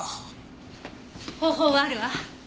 方法はあるわ。